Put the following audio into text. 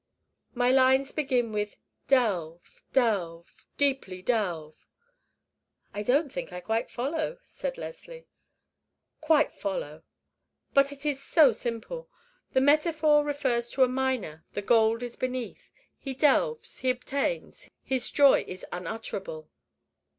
My lines begin with 'Delve, delve, deeply delve.'" "I don't think I quite follow," said Leslie. "Quite follow! but it is so simple. The metaphor refers to a miner, the gold is beneath. He delves, he obtains, his joy is unutterable."